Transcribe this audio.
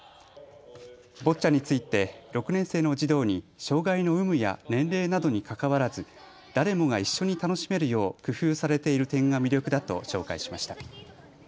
ボッチャについて６年生の児童に障害の有無や年齢などにかかわらず誰もが一緒に楽しめるよう工夫されている点が魅力だと紹介しました。